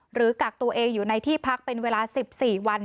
กักตัวเองอยู่ในที่พักเป็นเวลา๑๔วัน